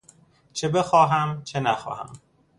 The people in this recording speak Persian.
چه بخواهم چه نخواهم